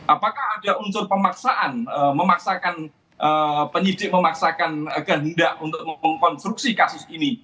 apakah ada unsur pemaksaan memaksakan penyidik memaksakan kehendak untuk mengkonstruksi kasus ini